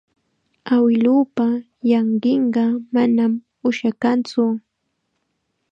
Awiluupa llanqinqa manam ushakantsu.